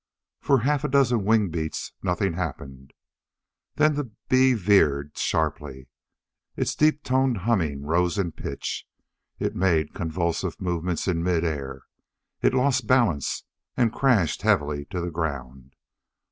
For half a dozen wing beats nothing happened. Then the bee veered sharply. Its deep toned humming rose in pitch. It made convulsive movements in mid air. It lost balance and crashed heavily to the ground.